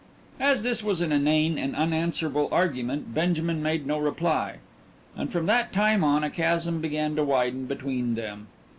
As this was an inane and unanswerable argument Benjamin made no reply, and from that time on a chasm began to widen between them.